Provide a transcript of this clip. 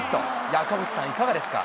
赤星さん、いかがですか？